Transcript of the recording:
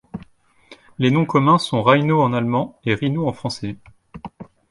Les noms communs sont Rheinau en allemand et Rhinau en français.